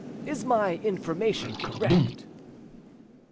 Is my information correct?"